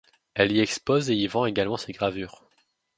Elle y expose et y vend également ses gravures.